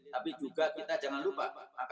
tapi juga kita jangan lupa pak